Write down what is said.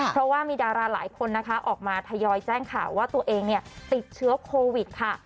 เพราะว่ามีดาราหลายคนนะคะออกมาทยอยแจ้งข่าวว่าตัวเองติดเชื้อโควิดค่ะ